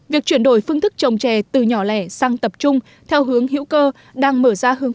việc chuyển đổi phương thức trồng chè từ nhỏ lẻ sang tập trung theo hướng hữu cơ đang mở ra hướng